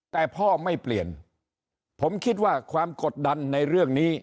แต่พ่อไม่เปลี่ยนผมคิดว่าความกดดันในเรื่องนี้